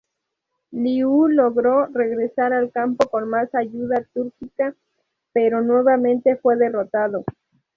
Liu logró regresar al campo con más ayuda túrquica pero nuevamente fue derrotado.